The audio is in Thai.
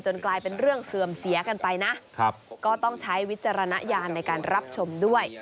กลายเป็นเรื่องเสื่อมเสียกันไปนะก็ต้องใช้วิจารณญาณในการรับชมด้วย